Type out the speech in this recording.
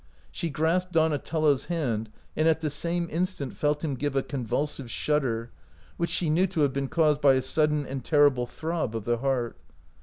" She grasped Donatello's hand, and at the same instant felt him give a con vulsive shudder, which she knew to have been caused by a sudden and terrible throb of the heart.